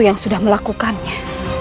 yang sudah melakukannya